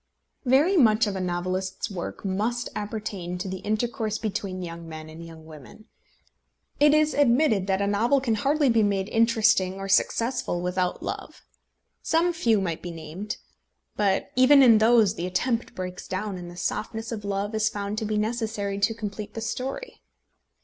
Very much of a novelist's work must appertain to the intercourse between young men and young women. It is admitted that a novel can hardly be made interesting or successful without love. Some few might be named, but even in those the attempt breaks down, and the softness of love is found to be necessary to complete the story.